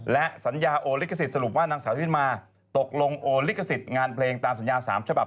และสัญญาโอลิขสิทธิว่านางสาวที่มาตกลงโอนลิขสิทธิ์งานเพลงตามสัญญา๓ฉบับ